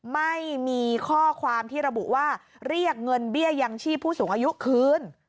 ไม่มีข้อความที่ระบุว่าเรียกเงินเบี้ยยังชีพผู้สูงอายุคืน